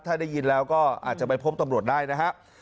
ถ้าได้ยินแล้วก็อาจจะไปพบตำรวจได้นะฮะ